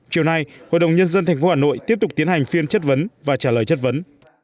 chiều nay hội đồng nhân dân tp hà nội tiếp tục tiến hành phiên chất vấn và trả lời chất vấn